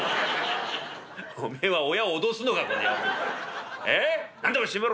「おめえは親を脅すのかこの野郎。